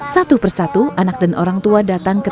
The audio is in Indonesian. satu persatu anak dan orang tua datang ke tempat yang terbaik